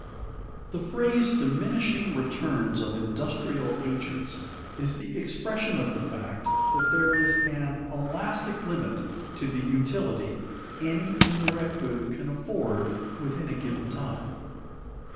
_The phrase "diminishing returns of industrial agents" is the expression of the fact that there is an elastic limit to the utility any indirect good can afford within a given time.